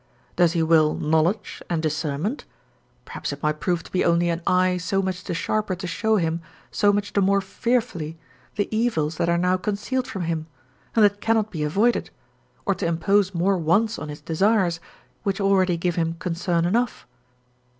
Does he will knowledge and discernment, perhaps it might prove to be only an eye so much the sharper to show him so much the more fearfully the evils that are now concealed from him, and that cannot be avoided, or to impose more wants on his desires, which already give him concern enough.